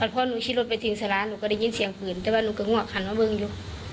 พอหนูคิดรถไปทิ้งสาระหนูก็ได้ยินเสียงปืนแต่ว่าหนูก็งวกหันมาเบิ้งอยู่